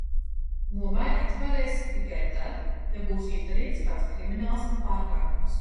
Nomainīt varēs tikai tad, ja būs izdarīts kāds krimināls pārkāpums.